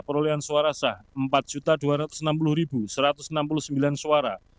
perolehan suara sah empat dua ratus enam puluh satu ratus enam puluh sembilan suara